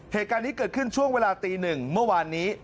เหตุการณ์นี้เกิดขึ้นช่วงเวลาตีหนึ่งเมื่อวานนี้